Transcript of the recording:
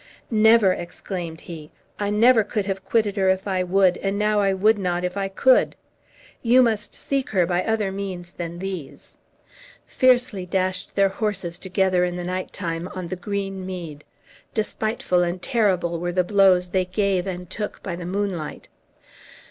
"Never," exclaimed he; "I never could have quitted her if I would, and now I would not if I could. You must seek her by other means than these." Fiercely dashed their horses together, in the nighttime, on the green mead. Despiteful and terrible were the blows they gave and took by the moonlight.